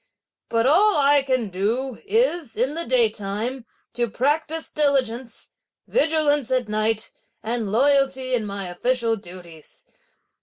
But all I can do is, in the daytime, to practise diligence, vigilance at night, and loyalty in my official duties.